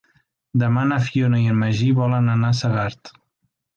Demà na Fiona i en Magí volen anar a Segart.